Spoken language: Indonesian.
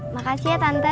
makasih ya tante